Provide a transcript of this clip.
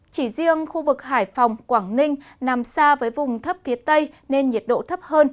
chỉ riêng khu vực hải phòng quảng ninh nằm xa với vùng thấp phía tây nên nhiệt độ thấp hơn